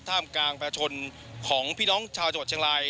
ท่ามกลางประชนของพี่น้องชาวจังหวัดเชียงราย